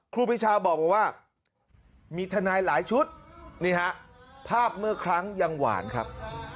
ครูปีชาบอกว่ามีทนายหลายชุดนี่ฮะภาพเมื่อครั้งยังหวานครับ